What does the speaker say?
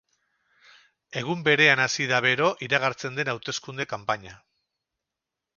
Egun berean hasi da bero iragartzen den hauteskunde kanpaina.